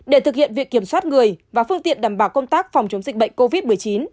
để thực hiện việc kiểm soát người và phương tiện đảm bảo công tác phòng chống dịch bệnh covid một mươi chín